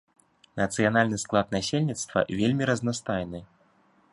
Нацыянальны склад насельніцтва вельмі разнастайны.